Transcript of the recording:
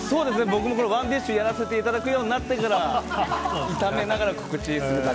僕もＯｎｅＤｉｓｈやらせていただくようになってから炒めながら告知すると。